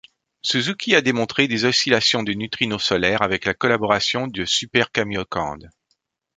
Suzuki a démontré des oscillations de neutrinos solaires avec la collaboration de super-camiocande.